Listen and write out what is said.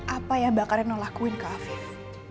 apa yang bakal reno lakuin ke afif